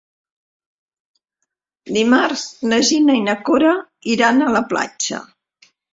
Dimarts na Gina i na Cora iran a la platja.